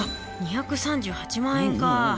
２３８万円かあ。